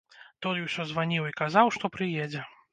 Той усё званіў і казаў, што прыедзе.